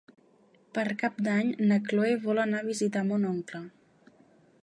Per Cap d'Any na Chloé vol anar a visitar mon oncle.